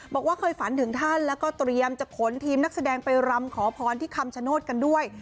บอกว่าเคยฝันถึงท่านแล้วก็เตรียมจะขนทีมนักแสดงไปรำขอพรที่คำชโนธกันด้วย